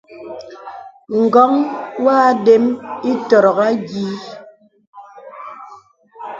Ǹgɔ̄ŋ wɔ àdəm ìtɔ̀rɔ̀k ayìì.